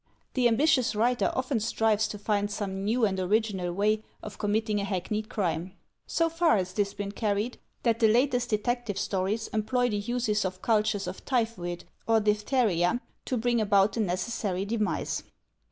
The ambitious writer often strives to find some new and original way of committing a hackneyed crime. So far has this been carried, that the latest detective stories employ the use of cultures of typhoid or diphtheria to bring about the necessary demise.